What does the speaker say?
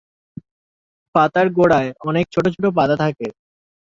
পাতার গোড়ায় অনেক ছোট ছোট পাতা থাকে।